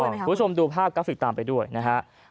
ถูกต้องคุณผู้ชมดูภาพกราฟศิกษ์ตามไปด้วยนะครับ